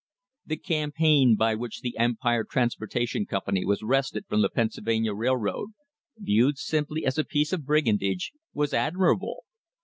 The campaign by which the Empire Transportation Com pany was wrested from the Pennsylvania Railroad, viewed simply as a piece of brigandage, was admirable.